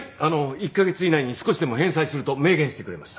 １カ月以内に少しでも返済すると明言してくれました。